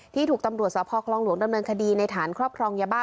ถูกตำรวจสพคลองหลวงดำเนินคดีในฐานครอบครองยาบ้า